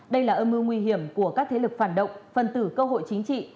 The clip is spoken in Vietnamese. đây là âm mưu nguy hiểm của các thế lực phản động phân tử cơ hội chính trị